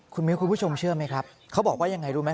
คุณมิ้วคุณผู้ชมเชื่อไหมครับเขาบอกว่ายังไงรู้ไหม